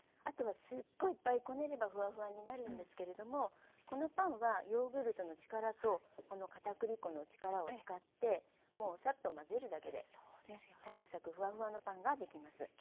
あとはすっごいいっぱいこねればフワフワになるんですけれどもこのパンはヨーグルトの力とこのかたくり粉の力を使ってもうサッと混ぜるだけでサクサクフワフワのパンができます。